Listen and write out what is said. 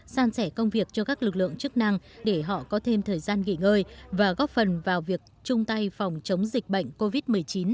san sẻ công việc cho các lực lượng chức năng để họ có thêm thời gian nghỉ ngơi và góp phần vào việc chung tay phòng chống dịch bệnh covid một mươi chín